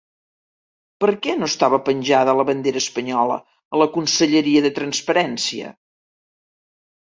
Per què no estava penjada la bandera espanyola a la conselleria de Transparència?